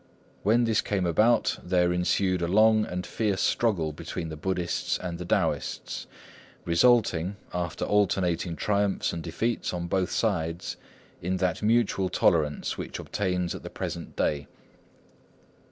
"When this came about, there ensued a long and fierce struggle between the Buddhists and the Taoists, resulting, after alternating triumphs and defeats on both sides, in that mutual toleration which obtains at the present day.